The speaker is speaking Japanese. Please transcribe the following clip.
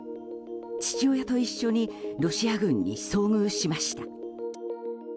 父親と一緒にロシア軍に遭遇しました。